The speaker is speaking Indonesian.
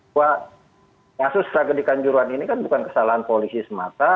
bahwa kasus tragedi kanjuruhan ini kan bukan kesalahan polisi semata